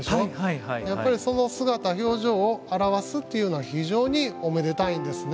やっぱりその姿表情を表すっていうのは非常におめでたいんですね。